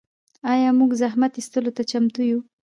آیا موږ زحمت ایستلو ته چمتو یو؟